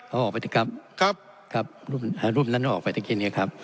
เอาออกไปเถอะครับครับครับอ่ารูปนั้นเอาออกไปเถอะครับ